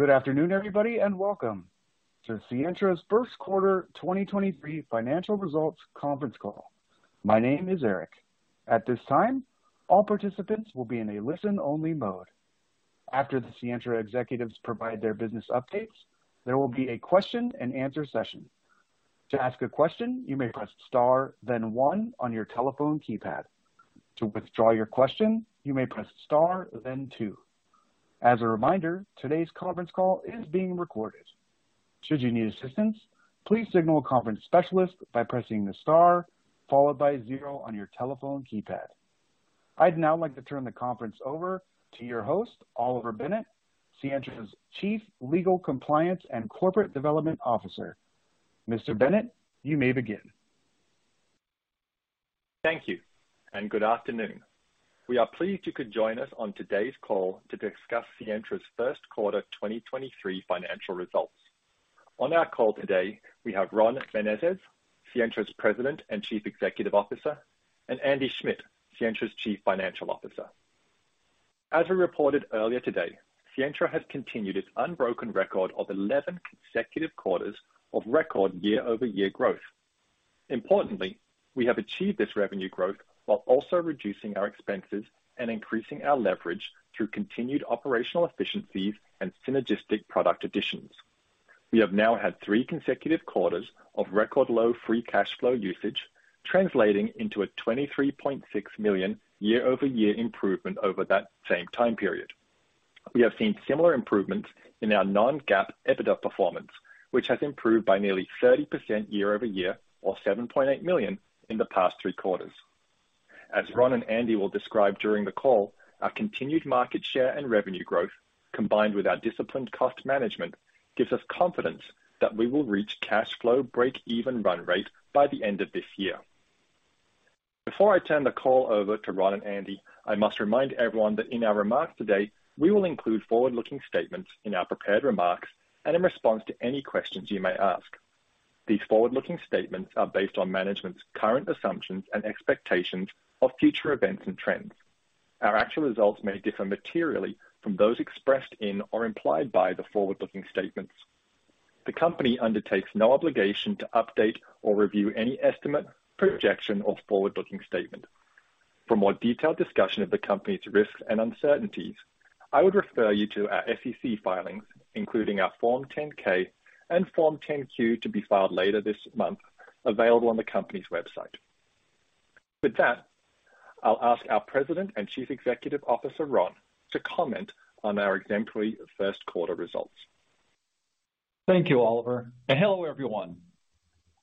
Good afternoon, everybody, and welcome to Sientra's Q1 2023 financial results conference call. My name is Eric. At this time, all participants will be in a listen-only mode. After the Sientra executives provide their business updates, there will be a question-and-answer session. To ask a question, you may press star, then one on your telephone keypad. To withdraw your question, you may press star, then two. As a reminder, today's conference call is being recorded. Should you need assistance, please signal a conference specialist by pressing the star, followed by zero on your telephone keypad. I'd now like to turn the conference over to your host, Oliver Bennett, Sientra's Chief Legal, Compliance and Corporate Development Officer. Mr. Bennett, you may begin. Thank you. Good afternoon. We are pleased you could join us on today's call to discuss Sientra's Q1 2023 financial results. On our call today, we have Ron Menezes, Sientra's President and Chief Executive Officer, and Andy Schmidt, Sientra's Chief Financial Officer. As we reported earlier today, Sientra has continued its unbroken record of 11 consecutive quarters of record year-over-year growth. Importantly, we have achieved this revenue growth while also reducing our expenses and increasing our leverage through continued operational efficiencies and synergistic product additions. We have now had three consecutive quarters of record low free cash flow usage, translating into a $23.6 million year-over-year improvement over that same time period. We have seen similar improvements in our non-GAAP EBITDA performance, which has improved by nearly 30% year-over-year or $7.8 million in the past three quarters. As Ron and Andy will describe during the call, our continued market share and revenue growth, combined with our disciplined cost management, gives us confidence that we will reach cash flow break even run rate by the end of this year. Before I turn the call over to Ron and Andy, I must remind everyone that in our remarks today, we will include forward-looking statements in our prepared remarks and in response to any questions you may ask. These forward-looking statements are based on management's current assumptions and expectations of future events and trends. Our actual results may differ materially from those expressed in or implied by the forward-looking statements. The company undertakes no obligation to update or review any estimate, projection, or forward-looking statement. For more detailed discussion of the company's risks and uncertainties, I would refer you to our SEC filings, including our Form 10-K and Form 10-Q to be filed later this month, available on the company's website. I'll ask our President and Chief Executive Officer, Ron, to comment on our exemplary Q1 results. Thank you, Oliver. Hello, everyone.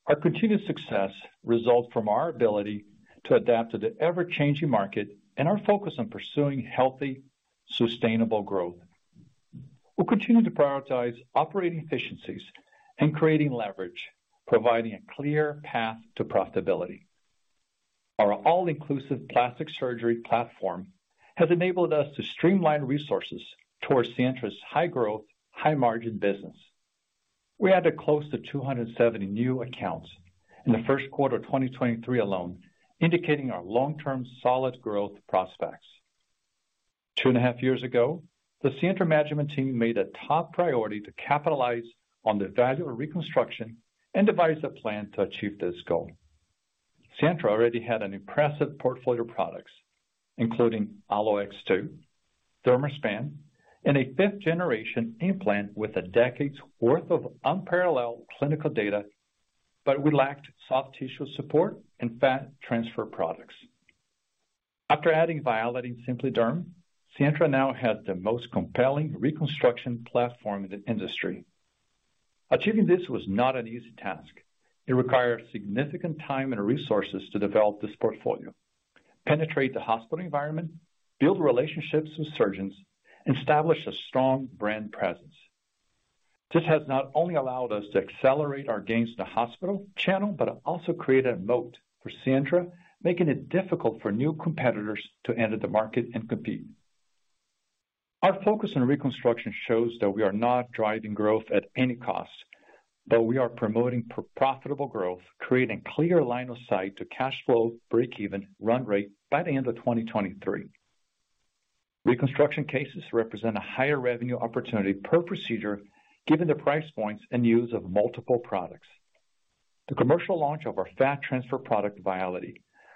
Our continued success results from our ability to adapt to the ever-changing market and our focus on pursuing healthy, sustainable growth. We'll continue to prioritize operating efficiencies and creating leverage, providing a clear path to profitability. Our all-inclusive plastic surgery platform has enabled us to streamline resources towards Sientra's high-growth, high-margin business. We added close to 270 new accounts in the Q1 of 2023 alone, indicating our long-term solid growth prospects. Two and a half years ago, the Sientra management team made a top priority to capitalize on the value of reconstruction and devise a plan to achieve this goal. Sientra already had an impressive portfolio of products, including AlloX2, Dermaspan, and a fifth-generation implant with a decade's worth of unparalleled clinical data, but we lacked soft tissue support and fat transfer products. After adding Viality and SimpliDerm, Sientra now has the most compelling reconstruction platform in the industry. Achieving this was not an easy task. It required significant time and resources to develop this portfolio, penetrate the hospital environment, build relationships with surgeons, and establish a strong brand presence. This has not only allowed us to accelerate our gains in the hospital channel, but also created a moat for Sientra, making it difficult for new competitors to enter the market and compete. Our focus on reconstruction shows that we are not driving growth at any cost, that we are promoting profitable growth, creating clear line of sight to cash flow, break-even run rate by the end of 2023. Reconstruction cases represent a higher revenue opportunity per procedure, given the price points and use of multiple products. The commercial launch of our fat transfer product, Viality,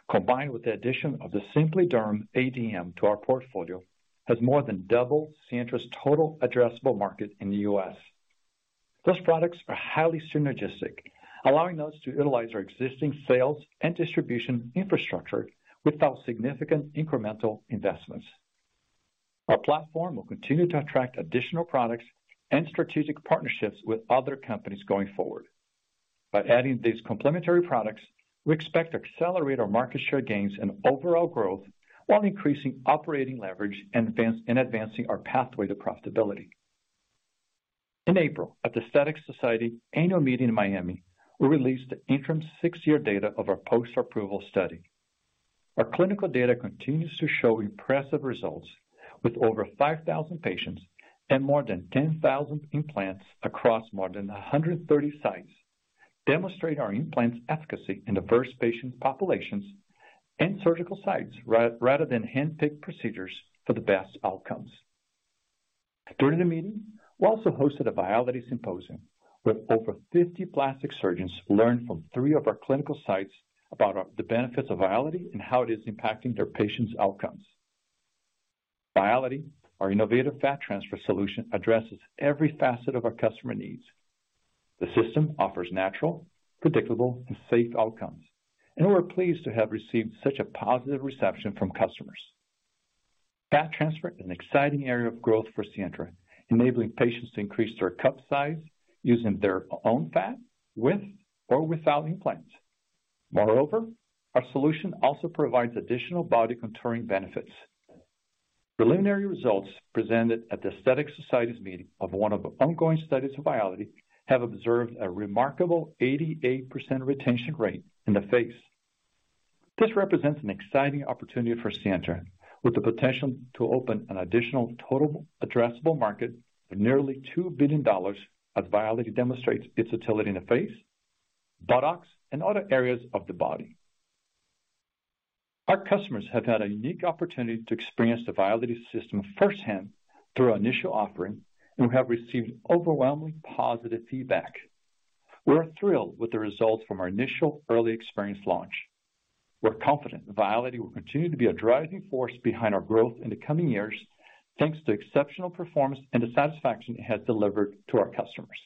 combined with the addition of the SimpliDerm ADM to our portfolio, has more than doubled Sientra's total addressable market in the U.S. Those products are highly synergistic, allowing us to utilize our existing sales and distribution infrastructure without significant incremental investments. Our platform will continue to attract additional products and strategic partnerships with other companies going forward. By adding these complementary products, we expect to accelerate our market share gains and overall growth while increasing operating leverage and advancing our pathway to profitability. In April, at The Aesthetic Society Annual Meeting in Miami, we released the interim six-year data of our post-approval study. Our clinical data continues to show impressive results with over 5,000 patients and more than 10,000 implants across more than 130 sites. Demonstrate our implant's efficacy in diverse patient populations and surgical sites, rather than handpicked procedures for the best outcomes. During the meeting, we also hosted a Viality symposium, where over 50 plastic surgeons learned from three of our clinical sites about the benefits of Viality and how it is impacting their patients' outcomes. Viality, our innovative fat transfer solution, addresses every facet of our customer needs. The system offers natural, predictable, and safe outcomes. We're pleased to have received such a positive reception from customers. Fat transfer is an exciting area of growth for Sientra, enabling patients to increase their cup size using their own fat with or without implants. Moreover, our solution also provides additional body contouring benefits. Preliminary results presented at The Aesthetic Society's meeting of one of the ongoing studies of Viality have observed a remarkable 88% retention rate in the face. This represents an exciting opportunity for Sientra, with the potential to open an additional total addressable market of nearly $2 billion as Viality demonstrates its utility in the face, buttocks, and other areas of the body. Our customers have had a unique opportunity to experience the Viality system firsthand through our initial offering, and we have received overwhelmingly positive feedback. We're thrilled with the results from our initial early experience launch. We're confident Viality will continue to be a driving force behind our growth in the coming years, thanks to exceptional performance and the satisfaction it has delivered to our customers.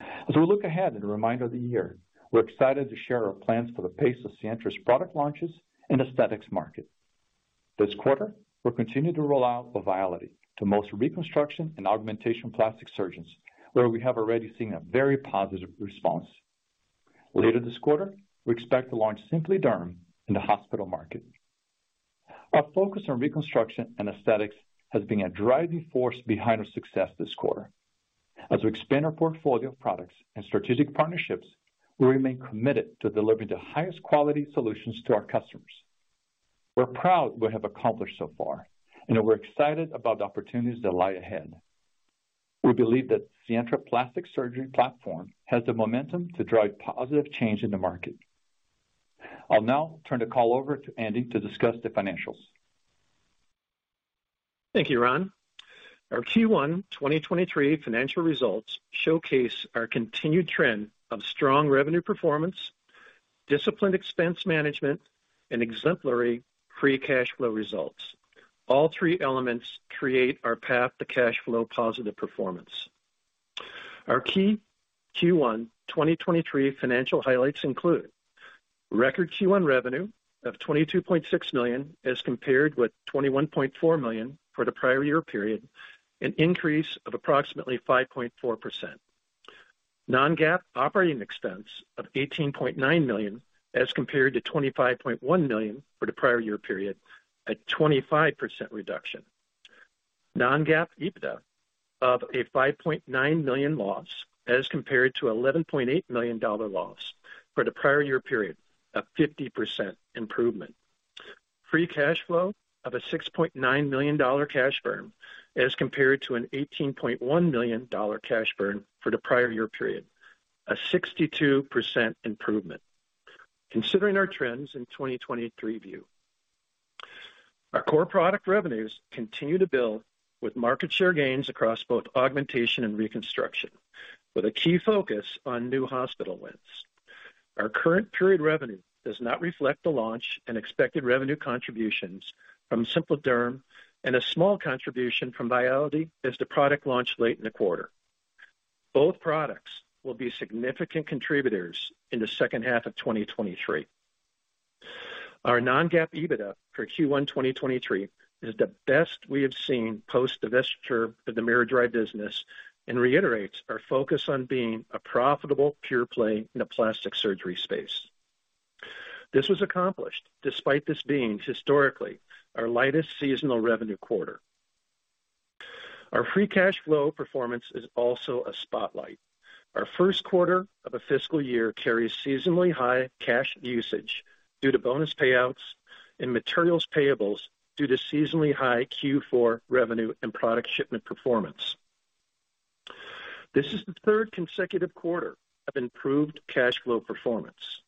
As we look ahead and remind of the year, we're excited to share our plans for the pace of Sientra's product launches in aesthetics market. This quarter, we'll continue to roll out the Viality to most reconstruction and augmentation plastic surgeons, where we have already seen a very positive response. Later this quarter, we expect to launch SimpliDerm in the hospital market. Our focus on reconstruction and aesthetics has been a driving force behind our success this quarter. As we expand our portfolio of products and strategic partnerships, we remain committed to delivering the highest quality solutions to our customers. We're proud of what we have accomplished so far, and we're excited about the opportunities that lie ahead. We believe that Sientra Plastic Surgery Platform has the momentum to drive positive change in the market. I'll now turn the call over to Andy to discuss the financials. Thank you, Ron. Our Q1 2023 financial results showcase our continued trend of strong revenue performance, disciplined expense management, and exemplary free cash flow results. All three elements create our path to cash flow positive performance. Our key Q1 2023 financial highlights include: Record Q1 revenue of $22.6 million, as compared with $21.4 million for the prior-year-period, an increase of approximately 5.4%. non-GAAP operating expense of $18.9 million, as compared to $25.1 million for the prior-year-period, a 25% reduction. non-GAAP EBITDA of a $5.9 million loss, as compared to $11.8 million loss for the prior-year-period, a 50% improvement. Free cash flow of a $6.9 million cash burn, as compared to an $18.1 million cash burn for the prior-year-period, a 62% improvement. Considering our trends in 2023 view. Our core product revenues continue to build with market share gains across both augmentation and reconstruction, with a key focus on new hospital wins. Our current period revenue does not reflect the launch and expected revenue contributions from SimpliDerm and a small contribution from Viality as the product launched late in the quarter. Both products will be significant contributors in the H2 of 2023. Our non-GAAP EBITDA for Q1 2023 is the best we have seen post divestiture of the miraDry business and reiterates our focus on being a profitable pure play in the plastic surgery space. This was accomplished despite this being historically our lightest seasonal revenue quarter. Our free cash flow performance is also a spotlight. Our Q1 of a fiscal year carries seasonally high cash usage due to bonus payouts and materials payables due to seasonally high Q4 revenue and product shipment performance. This is the third consecutive quarter of improved cash flow performance.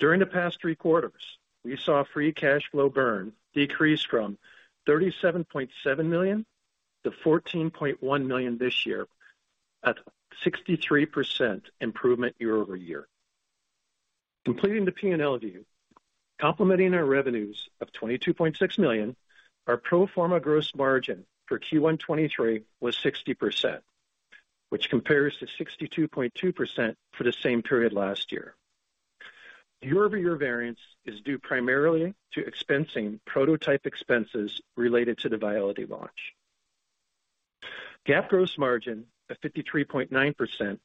During the past three quarters, we saw free cash flow burn decrease from $37.7 million to $14.1 million this year at 63% improvement year-over-year. Completing the P&L view, complementing our revenues of $22.6 million, our pro forma gross margin for Q1 2023 was 60%, which compares to 62.2% for the same period last year. The year-over-year variance is due primarily to expensing prototype expenses related to the Viality launch. GAAP gross margin of 53.9%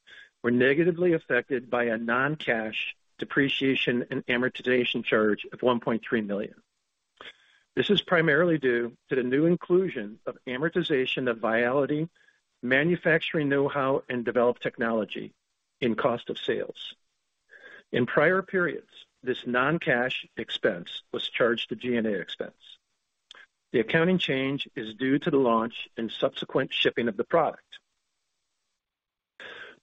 were negatively affected by a non-cash depreciation and amortization charge of $1.3 million. This is primarily due to the new inclusion of amortization of Viality manufacturing know-how and developed technology in cost of sales. In prior periods, this non-cash expense was charged to G&A expense. The accounting change is due to the launch and subsequent shipping of the product.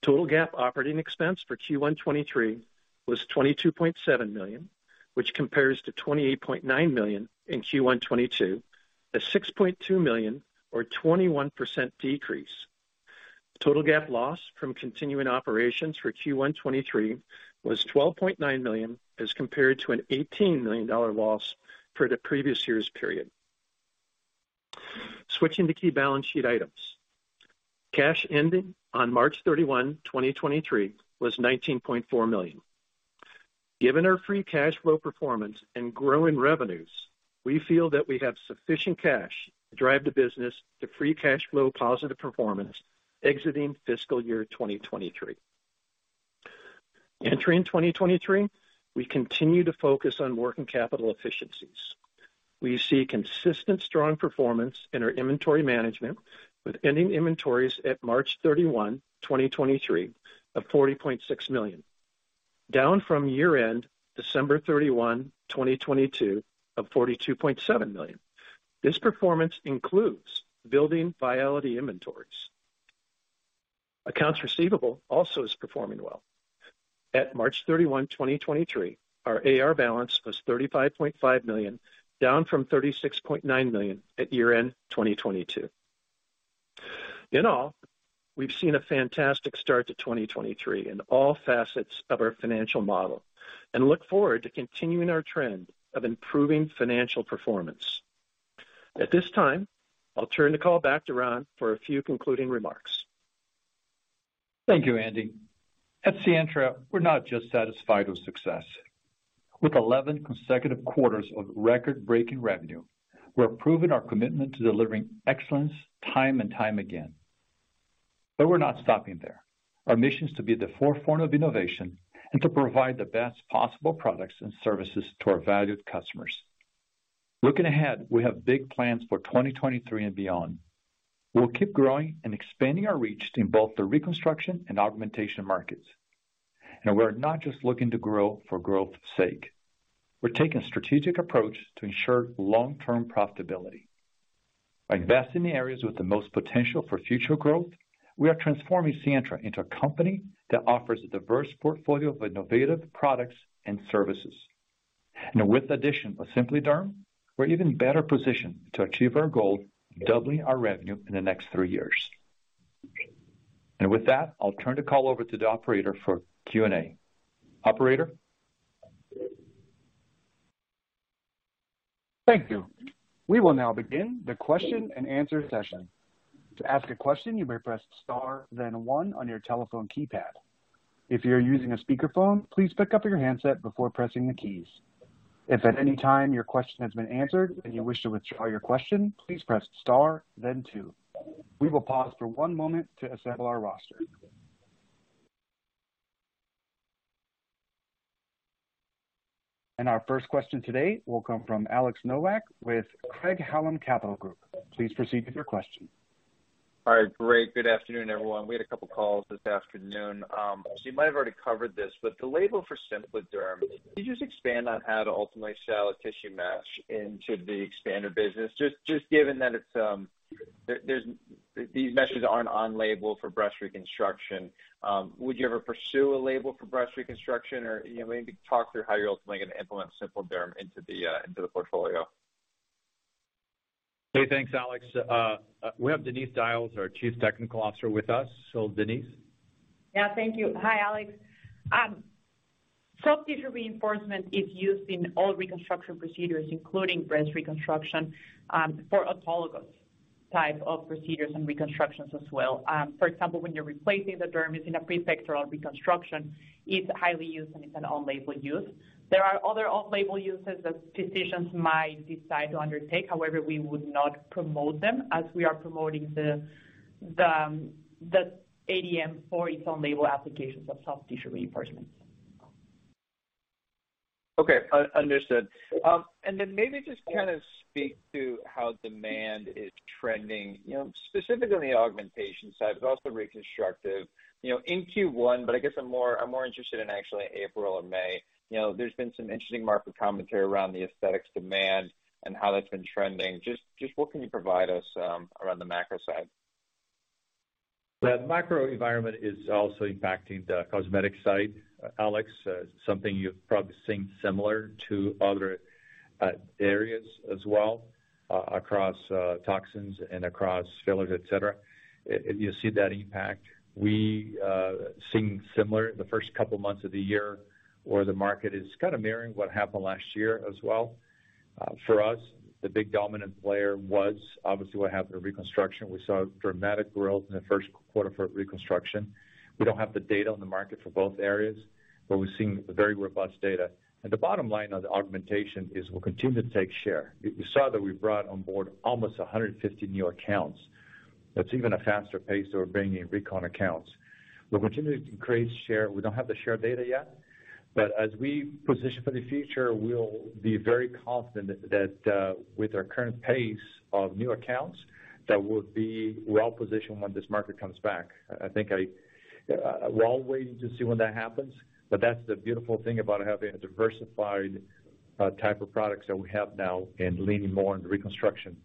Total GAAP operating expense for Q1 '23 was $22.7 million, which compares to $28.9 million in Q1 '22, a $6.2 million or 21% decrease. Total GAAP loss from continuing operations for Q1 '23 was $12.9 million, as compared to an $18 million loss for the previous year's period. Switching to key balance sheet items. Cash ending on March 31, 2023 was $19.4 million. Given our free cash flow performance and growing revenues, we feel that we have sufficient cash to drive the business to free cash flow positive performance exiting fiscal year 2023. Entering 2023, we continue to focus on working capital efficiencies. We see consistent strong performance in our inventory management, with ending inventories at March 31, 2023 of $40.6 million, down from year-end December 31, 2022 of $42.7 million. This performance includes building viability inventories. Accounts receivable also is performing well. At March 31, 2023, our AR balance was $35.5 million, down from $36.9 million at year-end 2022. In all, we've seen a fantastic start to 2023 in all facets of our financial model and look forward to continuing our trend of improving financial performance. At this time, I'll turn the call back to Ron for a few concluding remarks. Thank you, Andy. At Sientra, we're not just satisfied with success. With 11 consecutive quarters of record-breaking revenue, we're proving our commitment to delivering excellence time and time again. We're not stopping there. Our mission is to be at the forefront of innovation and to provide the best possible products and services to our valued customers. Looking ahead, we have big plans for 2023 and beyond. We'll keep growing and expanding our reach in both the reconstruction and augmentation markets. We're not just looking to grow for growth sake. We're taking a strategic approach to ensure long-term profitability. By investing in the areas with the most potential for future growth, we are transforming Sientra into a company that offers a diverse portfolio of innovative products and services. With the addition of SimpliDerm, we're even better positioned to achieve our goal of doubling our revenue in the next three years. With that, I'll turn the call over to the operator for Q&A. Operator? Thank you. We will now begin the question-and-answer session. To ask a question, you may press star, then one on your telephone keypad. If you're using a speakerphone, please pick up your handset before pressing the keys. If at any time your question has been answered and you wish to withdraw your question, please press star then two. We will pause for one moment to assemble our roster. Our first question today will come from Alex Nowak with Craig-Hallum Capital Group. Please proceed with your question. All right, great. Good afternoon, everyone. We had a couple of calls this afternoon. You might have already covered this, but the label for SimpliDerm, can you just expand on how to ultimately sell a tissue mesh into the expanded business? Just given that it's… These meshes aren't on label for breast reconstruction. Would you ever pursue a label for breast reconstruction? You know, maybe talk through how you're ultimately going to implement SimpliDerm into the portfolio. Hey, thanks, Alex. We have Denise Dajles, our Chief Technical Officer with us. Denise? Yeah, thank you. Hi, Alex. soft tissue reinforcement is used in all reconstruction procedures, including breast reconstruction, for autologous type of procedures and reconstructions as well. For example, when you're replacing the dermis in a prepectoral reconstruction, it's highly used and it's an on-label use. There are other off-label uses that physicians might decide to undertake. We would not promote them as we are promoting the ADM for its own label applications of soft tissue reinforcements. Understood. maybe just kind of speak to how demand is trending, you know, specifically on the augmentation side, but also reconstructive. You know, in Q1, I guess I'm more interested in actually April or May. You know, there's been some interesting market commentary around the aesthetics demand and how that's been trending. Just what can you provide us around the macro side? The macro environment is also impacting the cosmetic side, Alex. Something you've probably seen similar to other areas as well across toxins and across fillers, et cetera. You see that impact. We seeing similar the first couple months of the year where the market is kind of mirroring what happened last year as well. For us, the big dominant player was obviously what happened in reconstruction. We saw dramatic growth in the Q1 for reconstruction. We don't have the data on the market for both areas. We're seeing very robust data. The bottom line on the augmentation is we'll continue to take share. You saw that we brought on board almost 150 new accounts. That's even a faster pace than we're bringing in recon accounts. We'll continue to create share. We don't have the share data yet, but as we position for the future, we'll be very confident that with our current pace of new accounts, that we'll be well-positioned when this market comes back. That's the beautiful thing about having a diversified type of products that we have now and leaning more on the reconstruction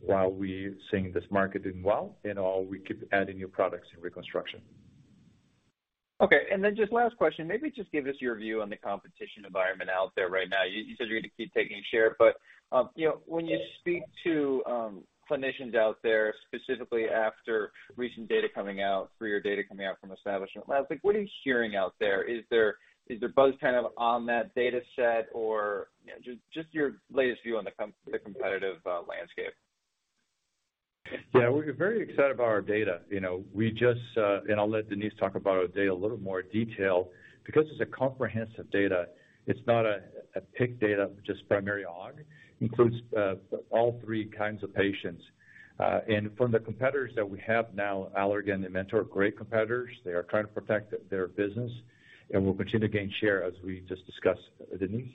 while we're seeing this market doing well, you know, we keep adding new products in reconstruction. Just last question, maybe just give us your view on the competition environment out there right now. You said you're gonna keep taking share, but, you know, when you speak to clinicians out there, specifically after recent data coming out for your data coming out from Establishment Labs, like what are you hearing out there? Is there buzz kind of on that data set or just your latest view on the competitive landscape? Yeah, we're very excited about our data. You know, we just, I'll let Denise talk about our data in a little more detail because it's a comprehensive data. It's not a pick data, just primary aug, includes, all three kinds of patients. From the competitors that we have now, Allergan and Mentor are great competitors. They are trying to protect their business, and we'll continue to gain share as we just discussed. Denise.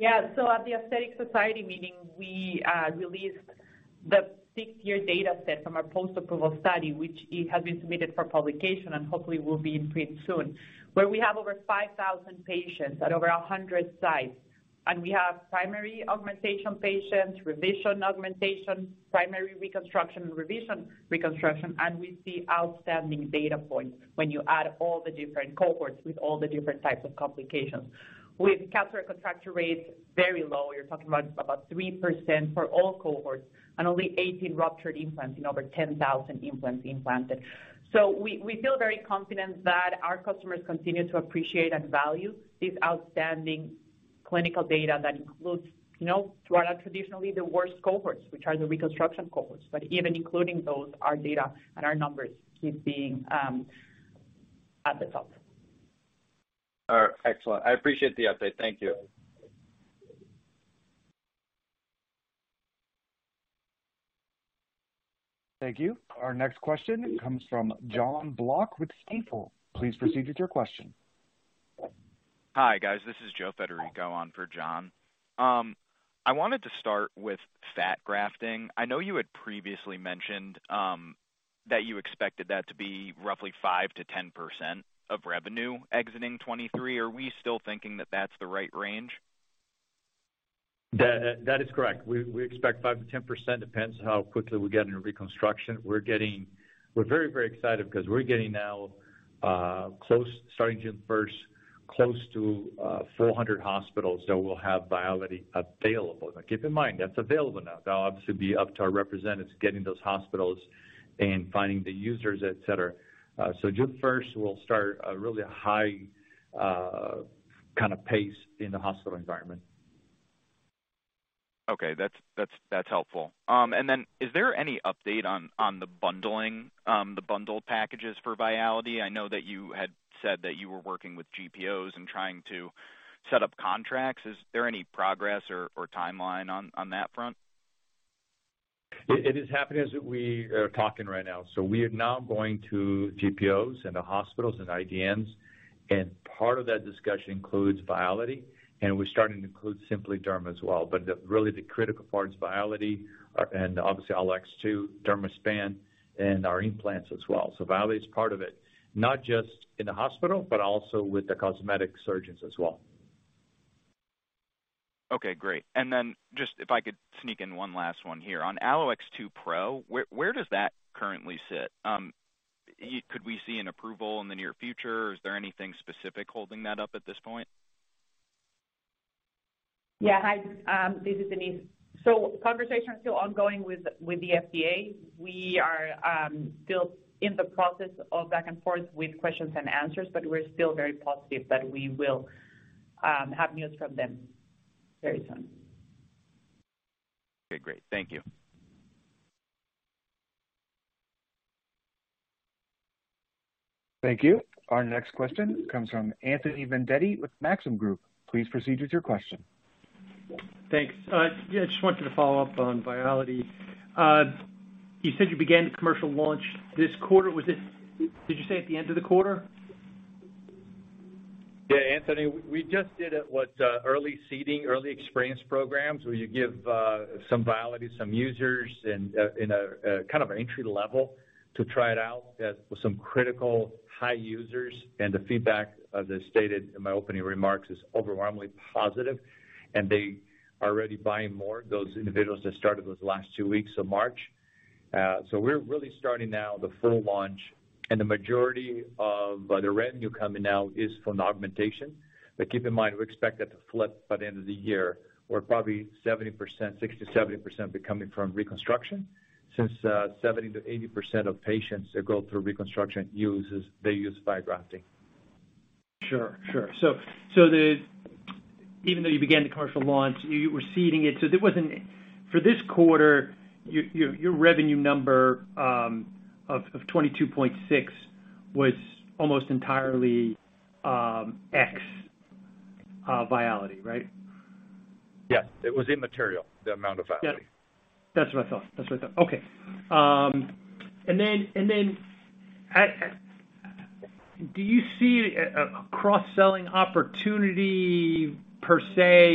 Yeah. At The Aesthetic Society meeting, we released the six-year data set from our post-approval study, which has been submitted for publication and hopefully will be in print soon, where we have over 5,000 patients at over 100 sites. We have primary augmentation patients, revision augmentation, primary reconstruction, and revision reconstruction. We see outstanding data points when you add all the different cohorts with all the different types of complications. We have capsular contracture rates very low. You're talking about 3% for all cohorts and only 18 ruptured implants in over 10,000 implants implanted. We feel very confident that our customers continue to appreciate and value this outstanding clinical data that includes, you know, throughout traditionally the worst cohorts, which are the reconstruction cohorts. Even including those, our data and our numbers keep being at the top. All right. Excellent. I appreciate the update. Thank you. Thank you. Our next question comes from John Block with Stifel. Please proceed with your question. Hi, guys. This is Joseph Federico on for John. I wanted to start with fat grafting. I know you had previously mentioned that you expected that to be roughly 5%-10% of revenue exiting 2023. Are we still thinking that that's the right range? That is correct. We expect 5%-10%, depends on how quickly we get into reconstruction. We're very, very excited because we're getting now, starting June first, close to 400 hospitals that will have Viality available. Keep in mind, that's available now. That'll obviously be up to our representatives getting those hospitals and finding the users, et cetera. June first, we'll start a really high, kind of pace in the hospital environment. Okay. That's helpful. Then is there any update on the bundling, the bundle packages for Viality? I know that you had said that you were working with GPOs and trying to set up contracts. Is there any progress or timeline on that front? It is happening as we are talking right now. We are now going to GPOs and the hospitals and IDNs, and part of that discussion includes Viality, and we're starting to include SimpliDerm as well. The, really the critical part is Viality, and obviously AlloX2, Dermaspan, and our implants as well. Viality is part of it, not just in the hospital, but also with the cosmetic surgeons as well. Okay, great. Just if I could sneak in one last one here. On AlloX2 Pro, where does that currently sit? Could we see an approval in the near future? Is there anything specific holding that up at this point? Hi, this is Denise. Conversations are still ongoing with the FDA. We are still in the process of back and forth with questions and answers, but we're still very positive that we will have news from them very soon. Okay, great. Thank you. Thank you. Our next question comes from Anthony Vendetti with Maxim Group. Please proceed with your question. Thanks. Yeah, I just wanted to follow up on Viality. You said you began the commercial launch this quarter. Did you say at the end of the quarter? Yeah, Anthony, we just did it with early seeding, early experience programs, where you give some Viality, some users and in a kind of an entry-level to try it out as with some critical high users. The feedback, as I stated in my opening remarks, is overwhelmingly positive, and they are already buying more, those individuals that started those last two weeks of March. We're really starting now the full launch, and the majority of the revenue coming now is from the augmentation. Keep in mind, we expect that to flip by the end of the year, where probably 70%, 60%-70% will be coming from reconstruction, since 70%-80% of patients that go through reconstruction they use bio grafting. Sure, sure. The... Even though you began the commercial launch, you were seeding it, so there wasn't... For this quarter, your revenue number, of $22.6 was almost entirely ex Viality, right? Yes. It was immaterial, the amount of Viality. Yeah. That's what I thought. That's what I thought. Okay. Then do you see a cross-selling opportunity per se?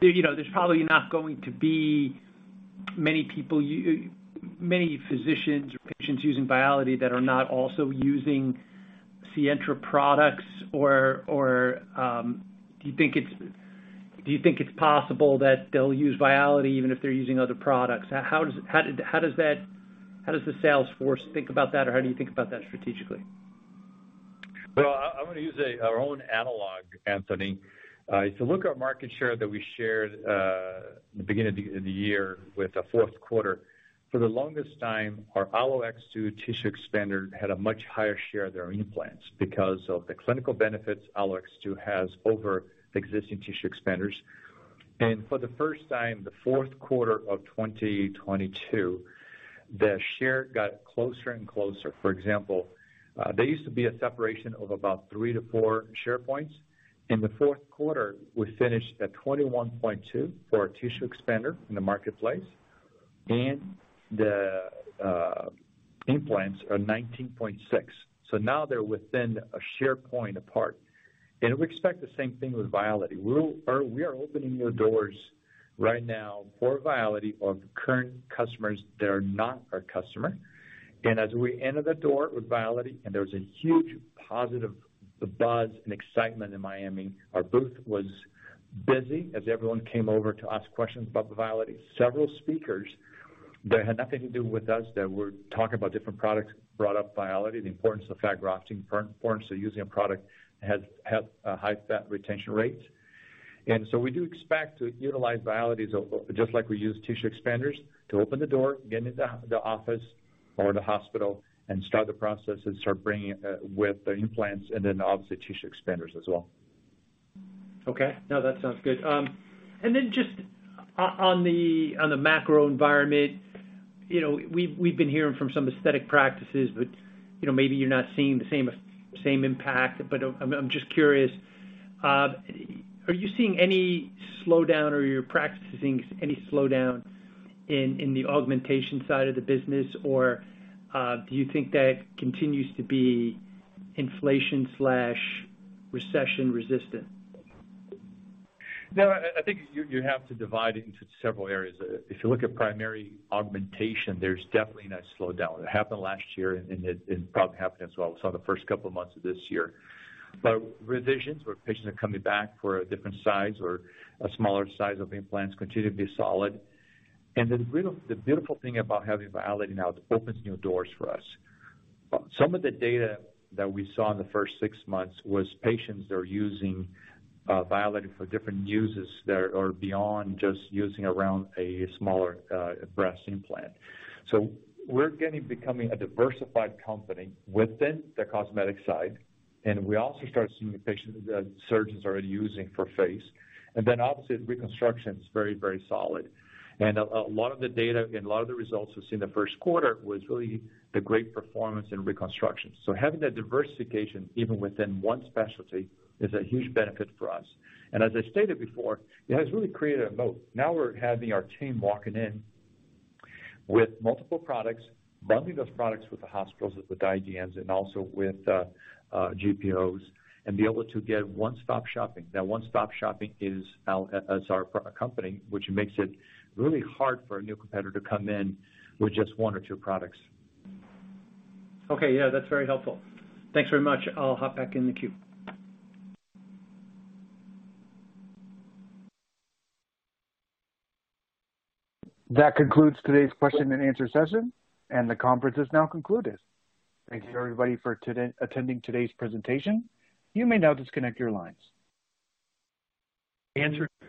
You know, there's probably not going to be many physicians or patients using Viality that are not also using Sientra products or, do you think it's, do you think it's possible that they'll use Viality even if they're using other products? How does the sales force think about that, or how do you think about that strategically? Well, I'm going to use our own analog, Anthony. If you look at market share that we shared the beginning of the year with the Q4. For the longest time, our AlloX2 tissue expander had a much higher share of their implants because of the clinical benefits AlloX2 has over existing tissue expanders. For the first time, the Q4 of 2022, the share got closer and closer. For example, there used to be a separation of about three to four share points. In the Q4, we finished at 21.2 for our tissue expander in the marketplace, and the implants are 19.6. Now they're within a share point apart. We expect the same thing with Viality. We are opening new doors right now for Viality of current customers that are not our customer. As we enter the door with Viality and there was a huge positive buzz and excitement in Miami. Our booth was busy as everyone came over to ask questions about the Viality. Several speakers that had nothing to do with us, that were talking about different products, brought up Viality, the importance of fat grafting, importance of using a product has a high fat retention rates. We do expect to utilize Viality just like we use tissue expanders to open the door, get into the office or the hospital and start the process and start bringing it with the implants and then obviously tissue expanders as well. Okay. No, that sounds good. Just on the macro environment, you know, we've been hearing from some aesthetic practices, but, you know, maybe you're not seeing the same impact. I'm just curious, are you seeing any slowdown or your practices seeing any slowdown in the augmentation side of the business? Do you think that continues to be inflation/recession resistant? No, I think you have to divide it into several areas. If you look at primary augmentation, there's definitely a nice slowdown. It happened last year and probably happened as well. The first couple of months of this year. Revisions where patients are coming back for a different size or a smaller size of implants continue to be solid. The beautiful thing about having Viality now, it opens new doors for us. Some of the data that we saw in the first 6 months was patients that are using Viality for different uses that are beyond just using around a smaller breast implant. We're getting, becoming a diversified company within the cosmetic side, and we also start seeing the patients that surgeons are using for face. Obviously reconstruction is very solid. A lot of the data and a lot of the results we've seen in the Q1 was really the great performance in reconstruction. Having that diversification even within one specialty is a huge benefit for us. As I stated before, it has really created a moat. Now we're having our team walking in with multiple products, bundling those products with the hospitals, with the IDNs and also with GPOs, and be able to get one-stop shopping. That one-stop shopping is our company, which makes it really hard for a new competitor to come in with just one or two products. Okay. Yeah, that's very helpful. Thanks very much. I'll hop back in the queue. That concludes today's question and answer session, and the conference is now concluded. Thank you, everybody, for attending today's presentation. You may now disconnect your lines.